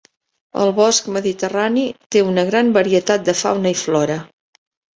El bosc mediterrani té una gran varietat de fauna i flora.